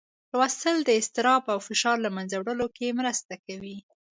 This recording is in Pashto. لوستل د اضطراب او فشار له منځه وړلو کې مرسته کوي.